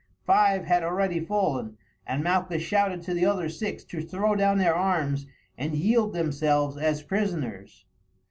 Five had already fallen, and Malchus shouted to the other six to throw down their arms and yield themselves as prisoners.